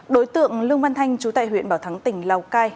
đối tượng lương văn thanh chú tại huyện bảo thắng tỉnh lào cai